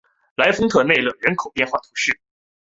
莱丰特内勒人口变化图示